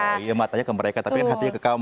iya matanya ke mereka tapi kan hatinya ke kamu